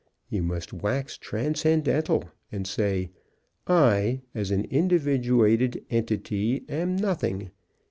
You must wax transcendental, and say, "I, as an individuated entity, am nothing.